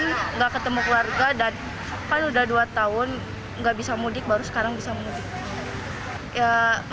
kan nggak ketemu keluarga dan kan udah dua tahun nggak bisa mudik baru sekarang bisa mudik